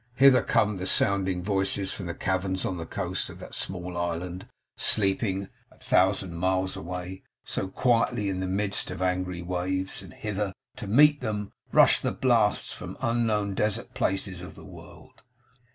Hither come the sounding voices from the caverns on the coast of that small island, sleeping, a thousand miles away, so quietly in the midst of angry waves; and hither, to meet them, rush the blasts from unknown desert places of the world.